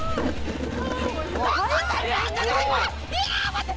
待って！